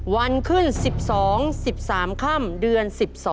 วันขึ้น๑๒๑๓ค่ำเดือน๑๒